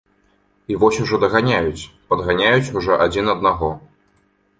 І вось ужо даганяюць, падганяюць ужо адзін аднаго.